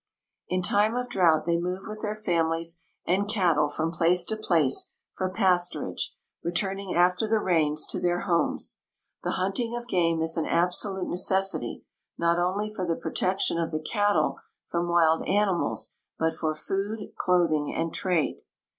In time of drought they move with their families and cattle from place to place for pasturage, returning after the rains to their homes. The hunting of game is an absolute necessity, not only for the protection of the cattle from wild animals, but for food, clothing, and trade.